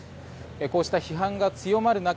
こうした批判が強まる中